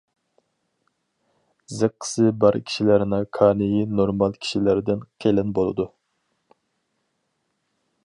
زىققىسى بار كىشىلەرنىڭ كانىيى نورمال كىشىلەردىن قېلىن بولىدۇ.